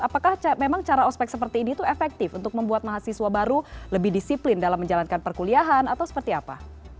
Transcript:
apakah memang cara ospek seperti ini itu efektif untuk membuat mahasiswa baru lebih disiplin dalam menjalankan perkuliahan atau seperti apa